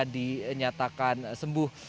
di nyatakan sembuh